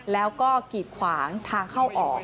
แล้วก็กีดขวางทางเข้าออก